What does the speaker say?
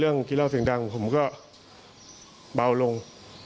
กินเหล้าเสียงดังผมก็เบาลง